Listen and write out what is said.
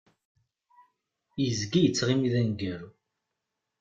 Yezga yettɣimi d aneggaru.